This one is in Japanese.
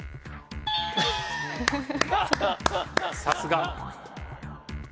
さすが。